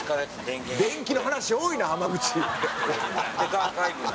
「電気の話多いな濱口」